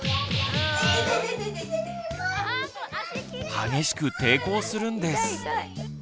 激しく抵抗するんです。